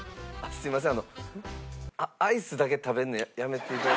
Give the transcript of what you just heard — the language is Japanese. すいません。